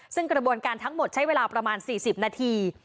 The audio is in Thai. ซึ่งกระบวนการทั้งหมดใช้เวลาประมาณ๔๐นาที